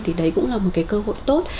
thì đấy cũng là một cái cơ hội tốt